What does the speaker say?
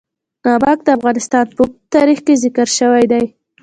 نمک د افغانستان په اوږده تاریخ کې ذکر شوی دی.